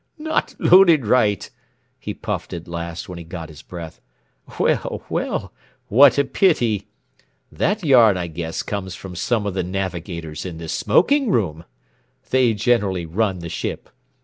"Not loaded right?" he puffed at last when he got his breath. "Well, well, what a pity! That yarn, I guess, comes from some of the navigators in the smoking room. They generally run the ship.